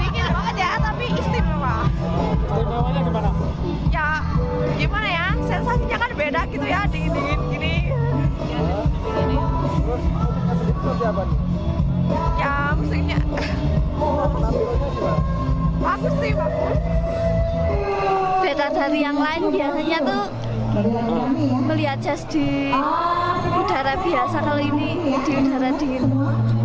beda dari yang lain biasanya tuh melihat jazz di udara biasa kali ini di udara dingin